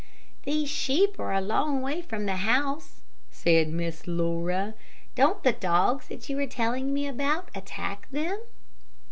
"These sheep are a long way from the house," said Miss Laura; "don't the dogs that you were telling me about attack them?"